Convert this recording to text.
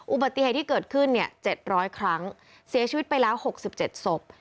อุบัติเหตุที่เกิดขึ้น๗๐๐ครั้งเสียชีวิตไปแล้ว๖๗ศพ